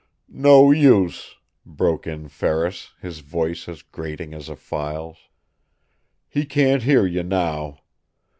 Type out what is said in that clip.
"No use!" broke in Ferris, his voice as grating as a file's. "He can't hear you now.